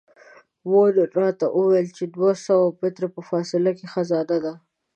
وون راته وویل چې دوه سوه مترو په فاصله کې خزانه ده.